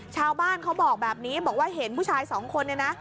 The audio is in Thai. ชาวบ้านเขาบอกแบบนี้บอกว่าเห็นผู้ชายสองคนเนี่ยนะ